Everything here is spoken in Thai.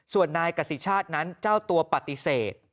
ส่วนนายกษิชาตินั้นเจ้าตัวปฏิเสธ